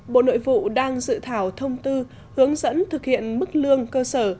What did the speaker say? bộ nội vụ đang dự thảo thông tư hướng dẫn thực hiện mức lương cơ sở